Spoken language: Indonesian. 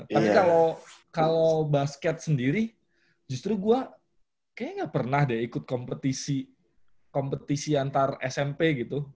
tapi kalau basket sendiri justru gue kayaknya gak pernah deh ikut kompetisi kompetisi antar smp gitu